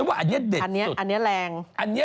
อันนี้แรง